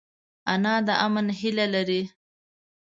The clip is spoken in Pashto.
انا د امن هیله لري